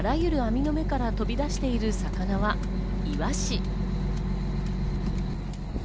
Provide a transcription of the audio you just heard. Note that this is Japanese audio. あらゆる網の目から飛び出している魚はイワシ。